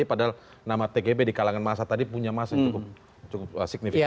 padahal nama tgb di kalangan masa tadi punya masa yang cukup signifikan